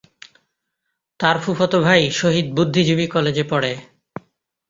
তার ফুফাতো ভাই শহীদ বুদ্ধিজীবী কলেজে পড়ে।